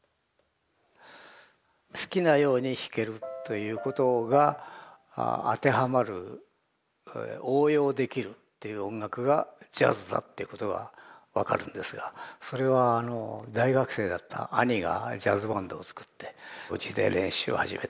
好きなように弾けるということが当てはまる応用できるっていう音楽がジャズだっていうことは分かるんですがそれは大学生だった兄がジャズバンドをつくってうちで練習を始めた。